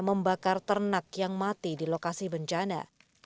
membakar ternak yang mati di lokasi bencana